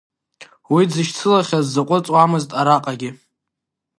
Уи дзышьцылахьаз дзаҟәыҵуамызт араҟагьы.